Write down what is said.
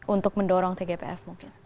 untuk mendorong tgpf mungkin